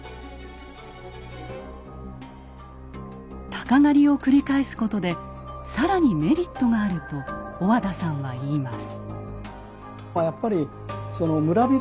鷹狩を繰り返すことで更にメリットがあると小和田さんは言います。